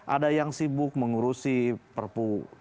ada yang sibuk mengurusi perpu